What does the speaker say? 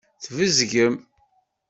Tbezgem.